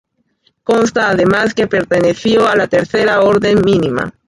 Consta, además, que perteneció a la Tercera Orden Mínima.